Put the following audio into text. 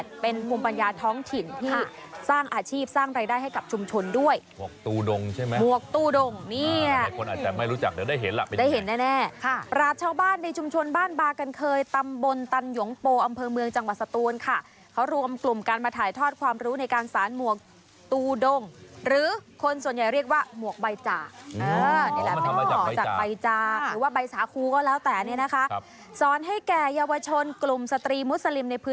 ได้เห็นแน่แน่ค่ะราชบ้านในชุมชนบ้านบากันเคยตำบลตันหยงโปอำเภอเมืองจังหวัดสตูนค่ะเขารวมกลุ่มการมาถ่ายทอดความรู้ในการสานหมวกตู้ดงหรือคนส่วนใหญ่เรียกว่าหมวกใบจากอ๋อมันทำมาจากใบจากหรือว่าใบสาคูก็แล้วแต่เนี้ยนะคะครับสอนให้แก่เยาวชนกลุ่มสตรีมุสลิมในพื